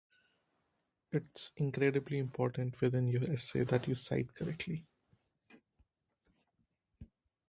It’s incredibly important within your essay that you cite correctly.